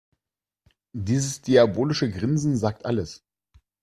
Dieses diabolische Grinsen sagt alles.